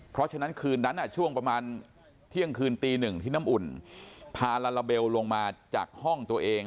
เพราะฉะนั้นคืนนั้นช่วงประมาณเที่ยงคืนตีหนึ่งที่น้ำอุ่นพาลาลาเบลลงมาจากห้องตัวเอง